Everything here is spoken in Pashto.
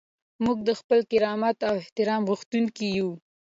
موږ د خپل کرامت او احترام غوښتونکي یو.